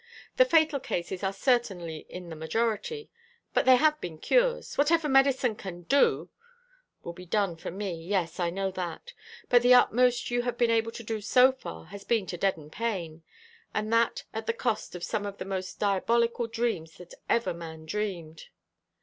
The fatal cases are certainly in the majority; but there have been cures. Whatever medicine can do " "Will be done for me. Yes, I know that. But the utmost you have been able to do so far has been to deaden pain, and that at the cost of some of the most diabolical dreams that ever man dreamed."